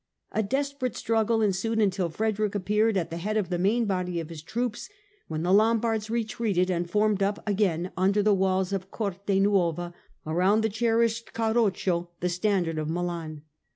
A desperate struggle ensued until Frederick appeared at the head of the main body of his troops, when the Lombards retreated and formed up again under the walls of Cortenuova, around the cherished Carroccio, the standard of Milan.